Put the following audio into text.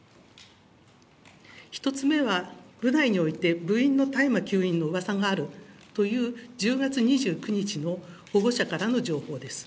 １つ目は部内において部員の大麻吸引のうわさがあるという１０月２９日の保護者からの情報です。